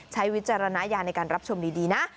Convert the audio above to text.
ใช้วิจารณายาในการรับชมดีนะ